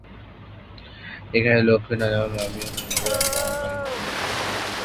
এখানে লক্ষ্মীনারায়ণ স্বামী মন্দির এবং মহাকালী মন্দিরের মতো পুরনো মন্দির রয়েছে।